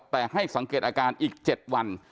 แต่ให้สังเกตอาการอีก๗วัน